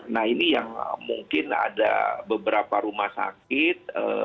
nah ini yang mungkin ada beberapa rumah sakit